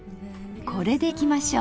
これでいきましょう。